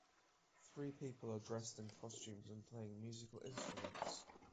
Three people are dressed in costumes and playing musical instruments